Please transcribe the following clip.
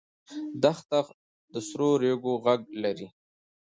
دښته د سرو ریګو غږ لري.